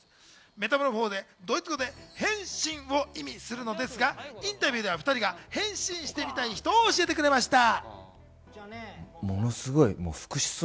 メタモルフォーゼ、ドイツ語で変身を意味するのですがインタビューではお２人が変身してみたい人を教えてくれました。